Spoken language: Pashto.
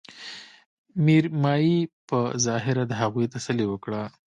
مېرمايي په ظاهره د هغوي تسلې وکړه